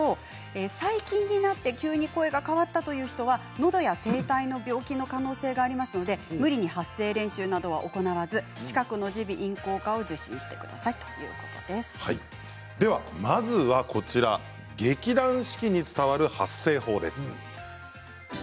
最近になって急に声が変わったという人はのどや声帯の病気の可能性がありますので無理に発声練習などは行わず近くの耳鼻咽喉科を受診してまずは劇団四季に伝わる発声法です。